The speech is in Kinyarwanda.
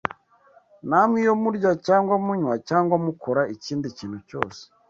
Namwe iyo murya cyangwa munywa cyangwa mukora ikindi kintu cyose,